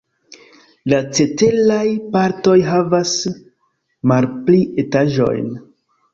La ceteraj partoj havas malpli etaĝojn.